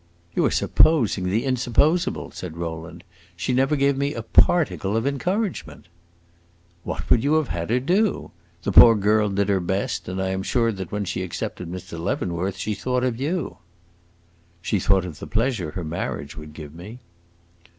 "You are supposing the insupposable," said Rowland. "She never gave me a particle of encouragement." "What would you have had her do? The poor girl did her best, and I am sure that when she accepted Mr. Leavenworth she thought of you." "She thought of the pleasure her marriage would give me."